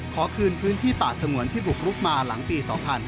ขอคืนพื้นที่ป่าสงวนที่บุกลุกมาหลังปี๒๕๕๙